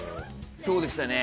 そうでしたね。